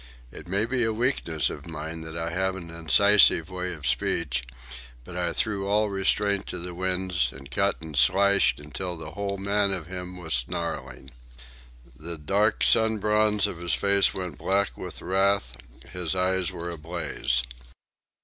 It may be a weakness of mine that I have an incisive way of speech; but I threw all restraint to the winds and cut and slashed until the whole man of him was snarling. The dark sun bronze of his face went black with wrath, his eyes were ablaze.